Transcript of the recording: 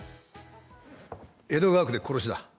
江戸川区で殺しだ。